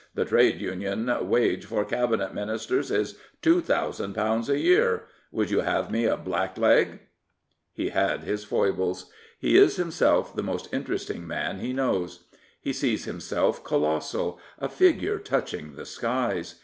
The trade union wage for Cabinet Ministers is £2000 a year. Would you have me a blackleg ?" He has his foibles. He is himself the most interest ing man he knows. He sees himself colossal, a figure touching the skies.